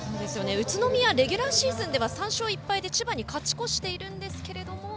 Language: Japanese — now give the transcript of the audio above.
宇都宮レギュラーシーズンでは３勝１敗で千葉に勝ち越しているんですけれども。